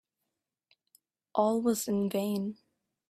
All was in vain.